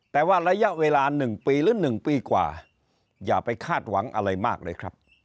แต่ว่าระยะเวลา๑ปีหรือ๑ปีกว่าอย่าไปคาดหวังอะไรมากเลยครับ